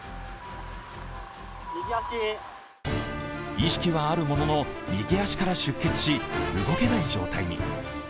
意識はあるものの、右足から出血し、動けない状態に。